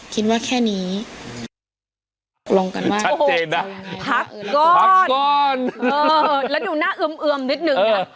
คิดว่าแค่นี้ลองกันว่าพักก่อนแล้วดูหน้าเอิมนิดนึง